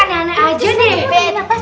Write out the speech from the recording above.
aneh aneh aja nih